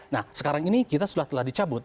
nah sekarang ini kita sudah telah dicabut